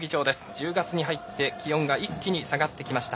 １０月に入って気温が一気に下がってきました。